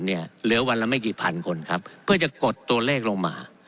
เหลือวันละไม่กี่พันคนครับเพื่อจะกดตัวเลขลงมา